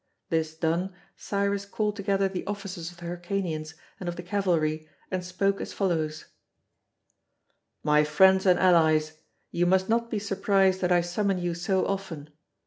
This done, Cyrus called together the officers of the Hyrcanians and of the cavalry, and spoke as follows: "My friends and allies, you must not be surprised that I summon you so often.